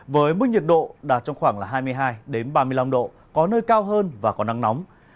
với mức nhiệt độ đạt trong khoảng hai mươi hai ba mươi năm độ có nơi cao hơn và có nắng nóng